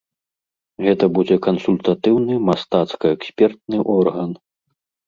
Гэта будзе кансультатыўны мастацка-экспертны орган.